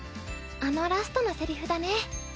あのラストのセリフだね。